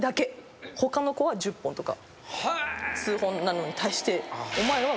他の子は１０本とか数本なのに対して。